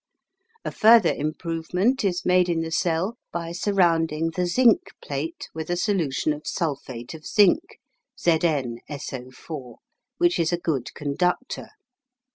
A further improvement is made in the cell by surrounding the zinc plate with a solution of sulphate of zinc (Zn SO4), which is a good conductor.